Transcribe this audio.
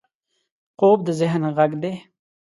خوب د ذهن غږ دی